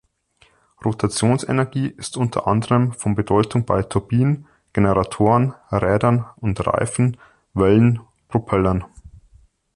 Rotationsenergie ist unter anderem von Bedeutung bei: Turbinen, Generatoren, Rädern und Reifen, Wellen, Propellern.